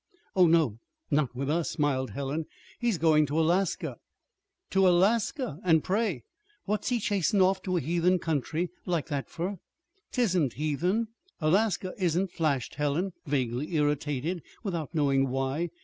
"Oh, no, not with us," smiled Helen. "He's going to Alaska." "To Alaska! And, pray, what's he chasin' off to a heathen country like that for?" "Tisn't heathen Alaska isn't," flashed Helen, vaguely irritated without knowing why.